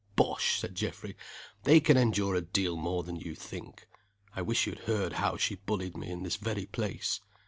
"Bosh!" said Geoffrey. "They can endure a deal more than you think. I wish you had heard how she bullied me, in this very place.